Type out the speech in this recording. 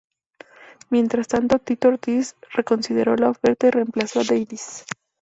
Mientras tanto, Tito Ortiz reconsideró la oferta y reemplazó a Davis.